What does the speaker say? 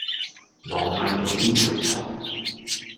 浪費左啲食材